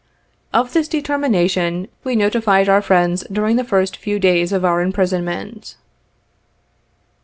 Of this determination, we notified our friends during the first few days of our imprisonment.